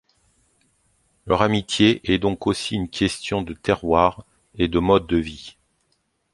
Leur amitié est donc aussi une question de terroir et de mode de vie.